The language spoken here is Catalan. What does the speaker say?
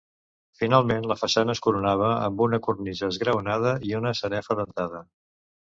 Finalment la façana es coronava amb una cornisa esgraonada i una sanefa dentada.